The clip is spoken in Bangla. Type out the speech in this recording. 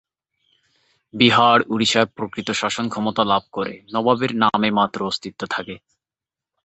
বিহার-ওড়িশার প্রকৃত শাসন ক্ষমতা লাভ করে, নবাবের নামে মাত্র অস্তিত্ব থাকে।